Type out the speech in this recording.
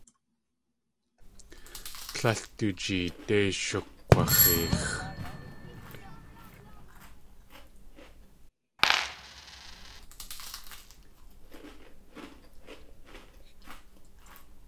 Tlél du jeedé shukg̲waxeex.